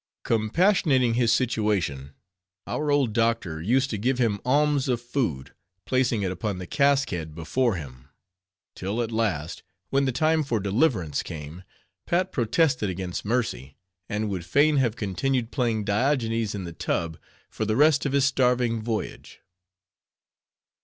Compassionating his situation, our old "doctor" used to give him alms of food, placing it upon the cask head before him; till at last, when the time for deliverance came, Pat protested against mercy, and would fain have continued playing Diogenes in the tub for the rest of this starving voyage.